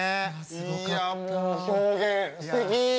いやもう表現すてき。